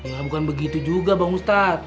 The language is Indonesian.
ya bukan begitu juga bang ustaz